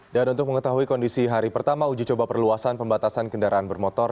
dan untuk mengetahui kondisi hari pertama uji coba perluasan pembatasan kendaraan bermotor